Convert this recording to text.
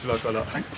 はい。